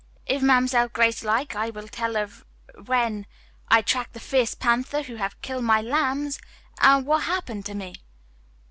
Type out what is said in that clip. "If Mamselle Grace like I will tell of w'en I track the fierce panther who have kill my lambs, an' what happen to me."